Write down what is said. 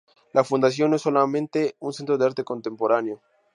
La fundación no es solamente un centro de arte contemporáneo.